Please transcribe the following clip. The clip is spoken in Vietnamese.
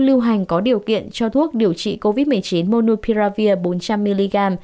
lưu hành có điều kiện cho thuốc điều trị covid một mươi chín monupiravir bốn trăm linh mg